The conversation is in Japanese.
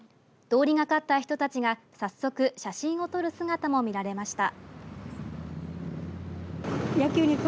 通りがかった人たちが早速写真を撮る姿も見られました。